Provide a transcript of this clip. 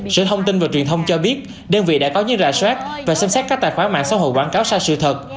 sở thông tin và truyền thông cho biết đơn vị đã có những rà soát và xem xét các tài khoản mạng xã hội quảng cáo sai sự thật